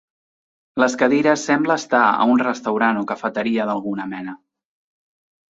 Les cadires semble estar a un restaurant o cafeteria d'alguna mena.